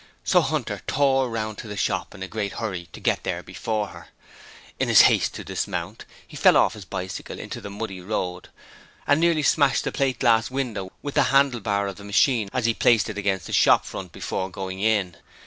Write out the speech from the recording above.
So Hunter tore round to the shop in a great hurry to get there before her. In his haste to dismount, he fell off his bicycle into the muddy road, and nearly smashed the plate glass window with the handle bar of the machine as he placed it against the shop front before going in.